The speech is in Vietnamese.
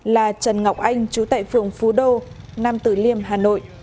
là trần ngọc anh chú tại phường phú đô nam tử liêm hà nội